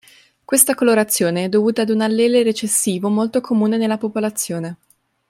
Questa colorazione è dovuta ad un allele recessivo molto comune nella popolazione.